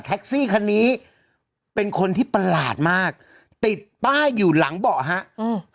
ซี่คันนี้เป็นคนที่ประหลาดมากติดป้ายอยู่หลังเบาะฮะอืม